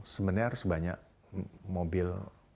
sebenarnya harus banyak mobil